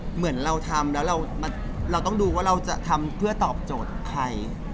เหมือนเราทำแล้วเราต้องดูว่าเราจะทำเพื่อตอบโจทย์ใคร